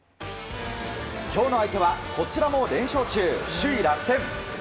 今日の相手はこちらも連勝中首位、楽天。